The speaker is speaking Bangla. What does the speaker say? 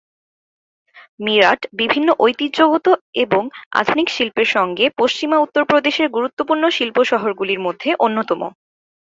মিরাট বিভিন্ন ঐতিহ্যগত এবং আধুনিক শিল্পের সঙ্গে পশ্চিমা উত্তর প্রদেশের গুরুত্বপূর্ণ শিল্প শহরগুলির মধ্যে অন্যতম।